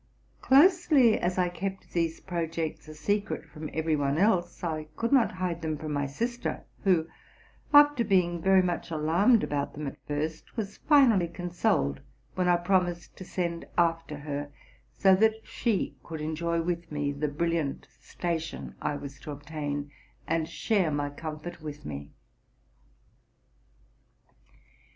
Closely as I kept these projects a secret from every one else, I could not hide them from my sister, who, after being very much alarmed about them at first, was finally consoled when I promised to send after her, so that she could enjoy with me the brilliant station I was to obtain, and share my comfort with me.